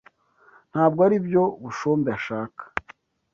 Ntabwo aribyo Bushombe ashaka.